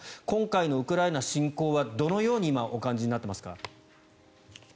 今回のウクライナ侵攻はどのように今、お感じになっていますか。